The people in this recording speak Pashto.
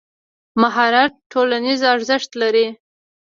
مهارت ټولنیز ارزښت لري.